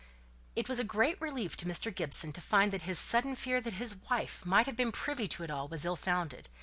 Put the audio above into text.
It was a great relief to Mr. Gibson to find that his sudden fear that his wife might have been privy to it all was ill founded.